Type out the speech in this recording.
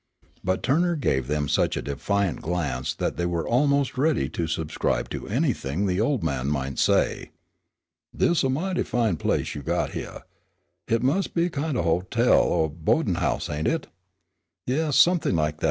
But Turner gave them such a defiant glance that they were almost ready to subscribe to anything the old man might say. "Dis is a mighty fine place you got hyeah. Hit mus' be a kind of a hotel or boa'din' house, ain't hit?" "Yes, something like."